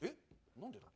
何でだ？